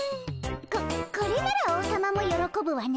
ここれなら王様もよろこぶわね。